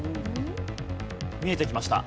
見えてきました。